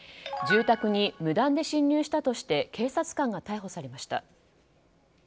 住宅に無断で侵入したとして警察官が逮捕されました。